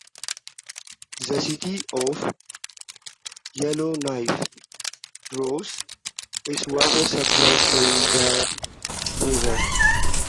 The city of Yellowknife draws its water supply from the river.